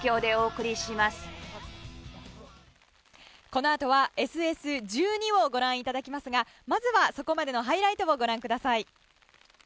このあとはＳＳ１２をご覧いただきますがまずはそこまでのハイライトをご覧ください。